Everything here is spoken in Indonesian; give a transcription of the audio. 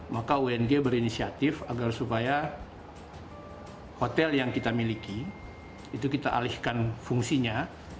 maka ung berinisiatif agar supaya hotel yang kita miliki itu kita alihkan fungsinya